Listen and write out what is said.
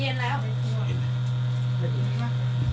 เริ่มหายแล้วอ่ะ